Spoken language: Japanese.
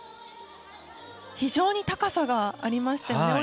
非常に高さがありましたよね。